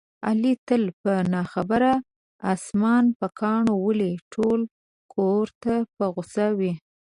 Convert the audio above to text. علي تل په نه خبره اسمان په کاڼو ولي، ټول کورته په غوسه وي.